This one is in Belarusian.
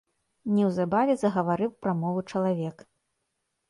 Неўзабаве загаварыў прамову чалавек.